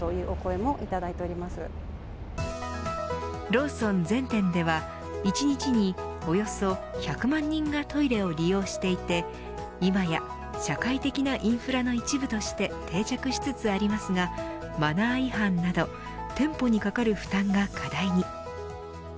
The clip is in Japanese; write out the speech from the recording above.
ローソン全店では１日におよそ１００万人がトイレを利用していて今や社会的なインフラの一部として定着しつつありますがマナー違反など店舗にかかる負担が課題に。